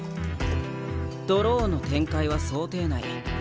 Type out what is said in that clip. ドローの展開は想定内。